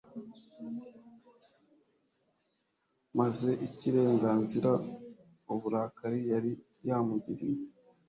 maze akirengagiza uburakari yari yamugiriye